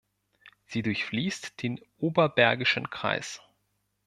Sie durchfließt den Oberbergischen Kreis.